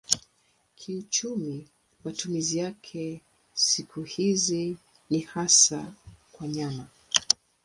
Kiuchumi matumizi yake siku hizi ni hasa kwa nyama.